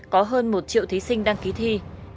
có hơn một triệu thí sinh đăng ký thi